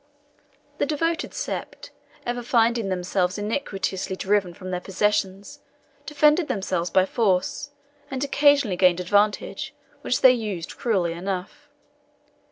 The devoted sept, ever finding themselves iniquitously driven from their possessions, defended themselves by force, and occasionally gained advantages, which they used cruelly enough.